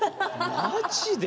マジで？